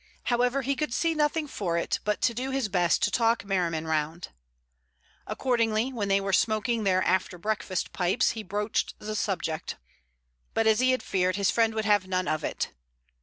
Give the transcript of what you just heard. However, he could see nothing for it but to do his best to talk Merriman round. Accordingly, when they were smoking their after breakfast pipes, he broached the subject. But as he had feared, his friend would have none of it.